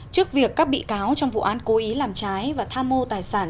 trước việc các bị cáo trong vụ án cố ý làm trái và tham mô tài sản